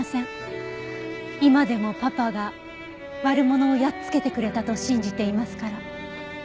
今でもパパが悪者をやっつけてくれたと信じていますから。